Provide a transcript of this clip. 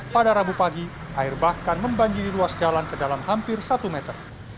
pada rabu pagi air bahkan membanjiri ruas jalan sedalam hampir satu meter